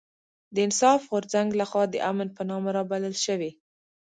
د انصاف غورځنګ لخوا د امن په نامه رابلل شوې